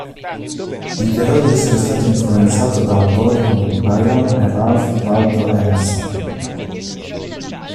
Dichiarò di essere stato influenzato da autori come Byron e Ralph Waldo Emerson.